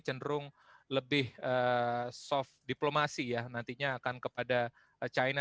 cenderung lebih soft diplomasi ya nantinya akan kepada china